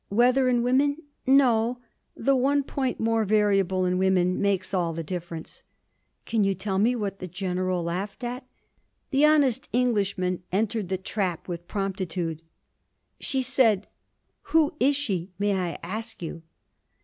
Weather and women? No; the one point more variable in women makes all the difference.' 'Can you tell me what the General laughed at?' The honest Englishman entered the trap with promptitude. 'She said: who is she, may I ask you?'